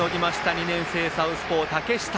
２年生サウスポー、竹下。